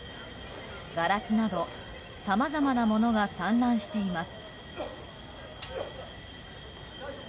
ガラスなど、さまざまなものが散乱しています。